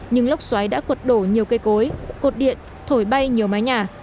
nhưng lốc xoáy đã cuột đổ nhiều cây cối cột điện thổi bay nhiều mái nhà